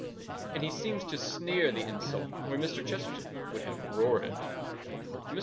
And he seems to sneer the insult where Mr. Chesterton would have roared it. Mr.